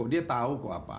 dia tahu kok apa